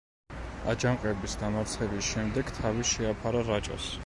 აჯანყების დამარცხების შემდეგ თავი შეაფარა რაჭას.